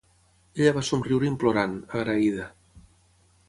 Ella va somriure implorant, agraïda.